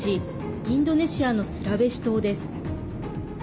インドネシアのスラウェシ島です。